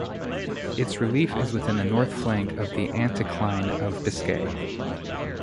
Its relief is within the north flank of the anticline of Biscay.